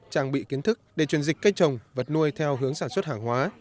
trang bị kiến thức để truyền dịch cây trồng vật nuôi theo hướng sản xuất hàng hóa